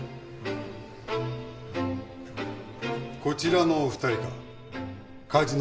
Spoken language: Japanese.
こちらのお２人か。